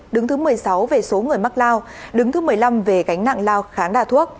đứng thứ một mươi sáu về số người mắc lao đứng thứ một mươi năm về gánh nặng lao kháng đà thuốc